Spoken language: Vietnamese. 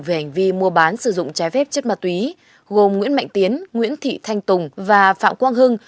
về hành vi mua bán sử dụng trái phép chất ma túy gồm nguyễn mạnh tiến nguyễn thị thanh tùng và phạm quang hưng